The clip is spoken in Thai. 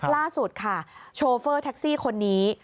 ล่าสุดค่ะโชเฟอร์แท็กซี่คนนี้